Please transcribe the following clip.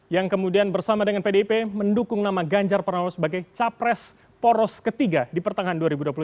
yang kemudian bersama dengan pdip mendukung nama ganjar pranowo sebagai capres poros ketiga di pertengahan dua ribu dua puluh empat